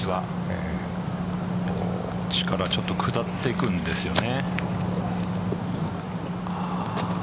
ちょっと下っていくんですよね。